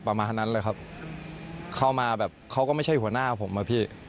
ประมาณนั้นเลยครับเข้ามาแบบเขาก็ไม่ใช่หัวหน้าผมอะพี่